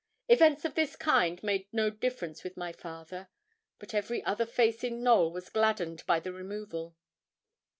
Events of this kind made no difference with my father; but every other face in Knowl was gladdened by the removal.